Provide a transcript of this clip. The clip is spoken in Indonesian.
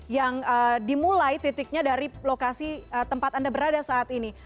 yang dimulai titiknya dari lokasi tempat anda berada saat ini